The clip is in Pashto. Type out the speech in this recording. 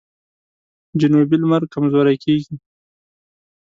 جنوبي لمر کمزوری کیږي.